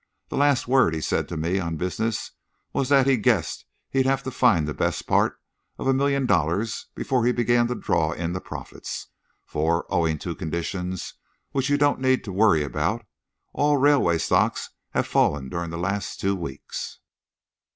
The last word he said to me on business was that he guessed he'd have to find the best part of a million dollars before he began to draw in the profits, for, owing to conditions with which you don't need to worry, all railway stocks have fallen during the last two weeks."